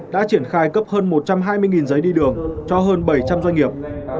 đã triển khai cấp hơn một trăm hai mươi giấy đi đường cho hơn bảy trăm linh doanh nghiệp